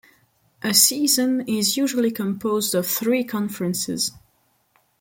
A season is usually composed of three conferences.